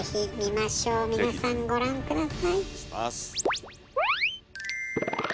皆さんご覧下さい。